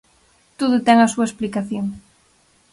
Todo ten a súa explicación.